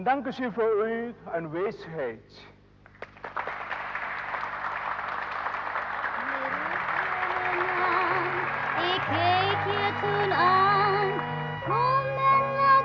dan terima kasih untuk kemahiran